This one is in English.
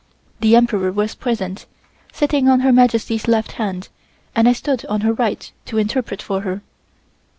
The Emperor was present, sitting on Her Majesty's left hand and I stood on her right to interpret for her.